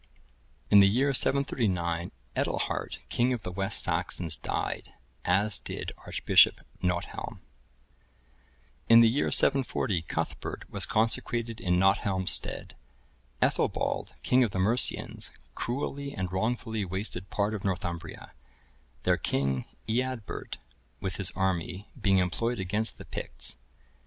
(1064) In the year 739, Edilhart,(1065) king of the West Saxons, died, as did Archbishop Nothelm. In the year 740, Cuthbert(1066) was consecrated in Nothelm's stead. Ethelbald, king of the Mercians, cruelly and wrongfully wasted part of Northumbria, their king, Eadbert, with his army, being employed against the Picts.